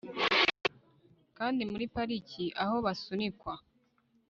kandi, muri pariki aho basunikwa